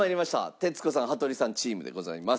徹子さん・羽鳥さんチームでございます。